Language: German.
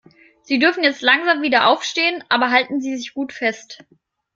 Sie dürfen jetzt langsam wieder aufstehen, aber halten Sie sich gut fest.